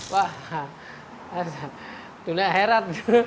wah itu di akhirat